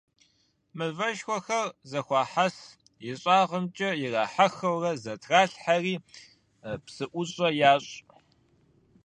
Мывэшхуэхэр зэхуахьэс, ищӀагъымкӀэ ирахьэхыурэ, зэтралъхьэри, псыӀущӀэ ящӀ.